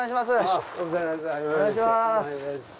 お願いします。